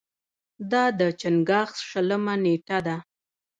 دا د چنګاښ شلمه نېټه ده.